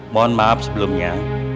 mohon maaf sebelumnya